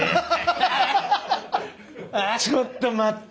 ちょっと待って。